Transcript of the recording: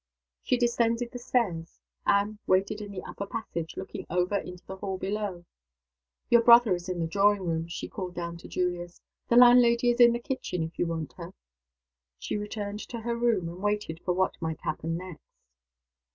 She descended the stairs. Anne waited in the upper passage, looking over into the hall below. "Your brother is in the drawing room," she called down to Julius. "The landlady is in the kitchen, if you want her." She returned to her room, and waited for what might happen next.